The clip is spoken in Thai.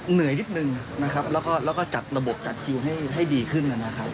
เหนื่อยนิดนึงนะครับแล้วก็จัดระบบจัดคิวให้ดีขึ้นนะครับ